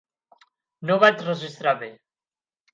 No ho vaig registrar bé.